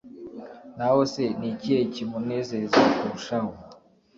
naho se ni ikihe kimunezeza kurushaho ?